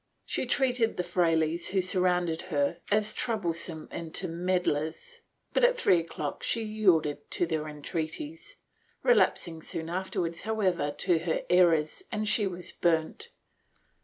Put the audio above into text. She treated the frailes who surrounded her as troublesome intermeddlers but, at three o'clock, she yielded to their entreaties, relapsing soon afterwards, however, to her errors, and she was burnt.